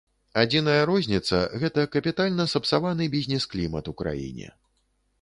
Адзіная розніца, гэта капітальна сапсаваны бізнес-клімат у краіне.